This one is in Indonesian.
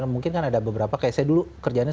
mungkin kan ada beberapa kayak saya dulu kerjaannya